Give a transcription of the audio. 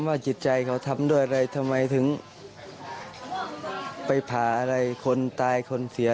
จิตใจเขาทำด้วยอะไรทำไมถึงไปผ่าอะไรคนตายคนเสีย